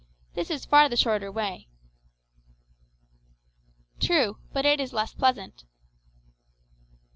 "This is far the shorter way." "True; but it is less pleasant."